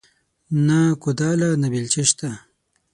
نه کوداله نه بيلچه شته